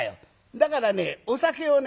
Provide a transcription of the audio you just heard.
だからねお酒をね。